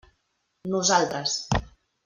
Nosaltres.